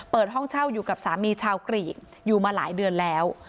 เปิดห้องเช่าอยู่กับสามีชาวกรีกอยู่มาหลายเดือนแล้ว